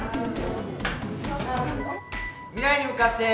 「未来に向かって」。